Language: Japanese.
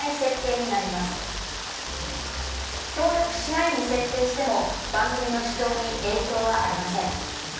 「協力しない」に設定しても番組の視聴に影響はありません。